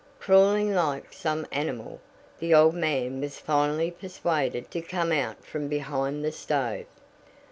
Crawling like some animal, the old man was finally persuaded to come out from behind the stove.